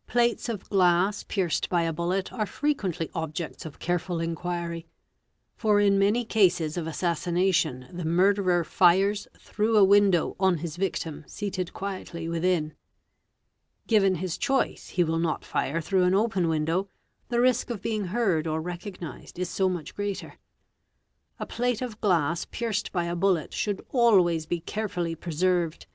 . Plates of glass pierced by a bullet are frequently objects of caref inquiry, for in many cases of assassination the murderer fires through ee Aen st er) Ae eee .>" P a f ~. 50 * 7 OBJECTS HIT 439 _ window on his victim seated quietly within. Given his choice, he will not fire through an open window, the risk of being heard or recognised is so much greater. A plate of glass pierced by a bullet should always be carefully preserved.